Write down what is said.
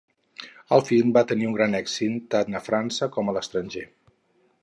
El film va tindre un gran èxit, tant en França com en l'estranger.